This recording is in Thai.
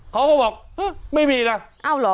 เขาก็บอกไม่มีนะเอ้าเหรอ